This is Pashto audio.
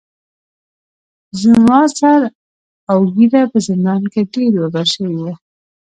زما سر اوږېره په زندان کې ډیر ببر شوي وو.